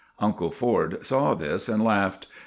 Uncle Ford saw this and laughed.